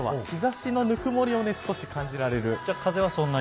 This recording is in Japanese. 日差しのぬくもりを少し感じられる。